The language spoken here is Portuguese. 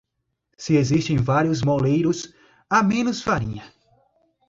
Se existem vários moleiros, há menos farinha.